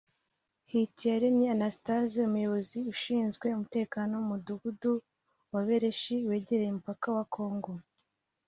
Hitiyaremye Anastase umuyobozi ushinzwe umutekano mu mudugudu wa Bereshi wegereye umupaka wa Kongo